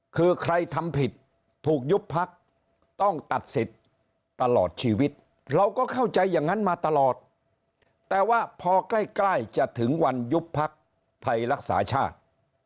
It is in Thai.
คือใครทำผิดถูกยุบพักต้องตัดสิทธิ์ตลอดชีวิตเราก็เข้าใจอย่างนั้นมาตลอดแต่ว่าพอใกล้จะถึงวันยุบพักไทยรักษาชาติ